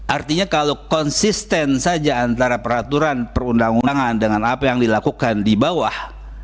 artinya kalau konsisten saja antara peraturan perundang undangan dengan apa yang dilakukan di bawah